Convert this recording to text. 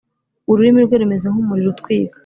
ururimi rwe rumeze nk’umuriro utwika.